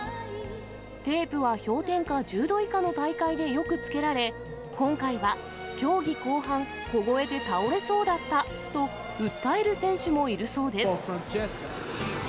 テープは氷点下１０度以下の大会でよくつけられ、今回は競技後半、凍えて倒れそうだったと訴える選手もいるそうです。